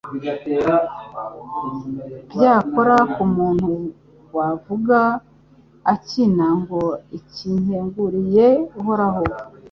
Byakora ku muntu wavuga akina ngo «Iki nkeguriye Uhoraho»